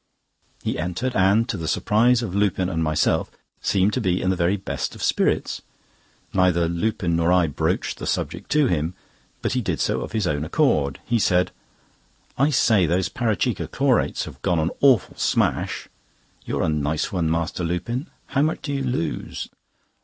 He entered, and to the surprise of Lupin and myself, seemed to be in the very best of spirits. Neither Lupin nor I broached the subject to him, but he did so of his own accord. He said: "I say, those Parachikka Chlorates have gone an awful smash! You're a nice one, Master Lupin. How much do you lose?"